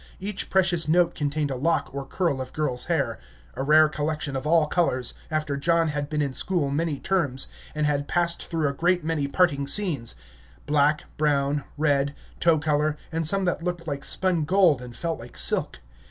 Each precious note contained a lock or curl of girl's hair, a rare collection of all colors, after John had been in school many terms, and had passed through a great many parting scenes, black, brown, red, tow color, and some that looked like spun gold and felt like silk.